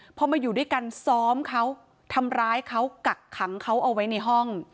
พอมาอยู่ด้วยกันซ้อมเขาทำร้ายเขากักขังเขาเอาไว้ในห้อง